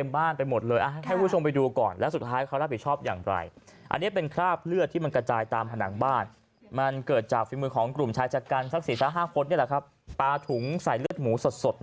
การศักดิ์ศาสตร์ห้าคนเนี่ยแหละครับปลาถุงใส่เลือดหมูสดสดเนี่ย